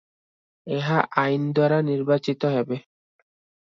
ଏହା ଆଇନଦ୍ୱାରା ନିର୍ବାଚିତ ହେବ ।